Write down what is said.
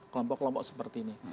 kelompok kelompok seperti ini